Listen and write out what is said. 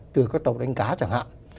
từ các tàu đánh cá chẳng hạn